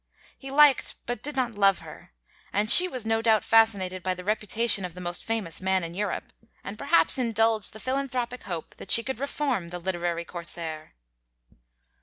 He liked but did not love her; and she was no doubt fascinated by the reputation of the most famous man in Europe, and perhaps indulged the philanthropic hope that she could reform the literary Corsair.